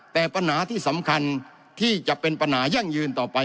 แต่ปัญหาที่สำคัญที่จะเป็นปัญหายั่งยืนต่อไป